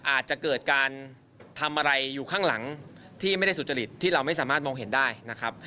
อาจจะเกิดการทำอะไรอยู่ข้างหลังที่ไม่ได้สุจริตที่เราไม่สามารถมองเห็นได้นะครับ